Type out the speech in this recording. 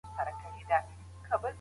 د کندهار په دښتو کي کوم بوټي شنه کيږي؟